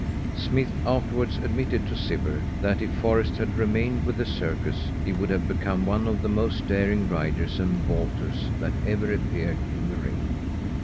Smith afterwards admitted to Cibber that if Forrest had remained with the circus he would have become one of the most daring riders and vaulters that ever appeared in the ring.